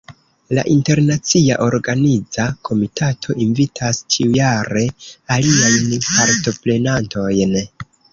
La internacia organiza komitato invitas ĉiujare aliajn partoprenantojn.